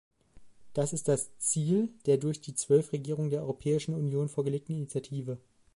Das ist das Ziel der durch die zwölf Regierungen der Europäischen Union vorgelegten Initiative.